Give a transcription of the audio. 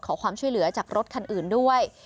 ขอความช่วยเหลือจากรถคันอื่นด้วย